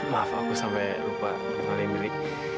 maaf aku sampai lupa nama ini